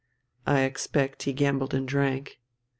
"I expect he gambled and drank."